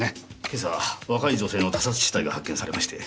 今朝若い女性の他殺死体が発見されまして。